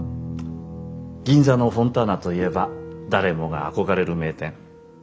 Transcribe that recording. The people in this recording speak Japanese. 銀座のフォンターナといえば誰もが憧れる名店。